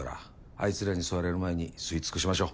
あいつらに吸われる前に吸い尽くしましょう。